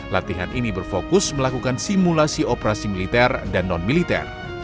latihan ini berfokus melakukan simulasi operasi militer dan non militer